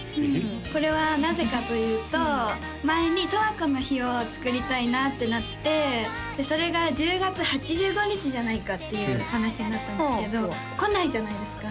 これはなぜかというと前にとわこの日をつくりたいなってなってそれが１０月８５日じゃないかっていう話になったんですけど来ないじゃないですか？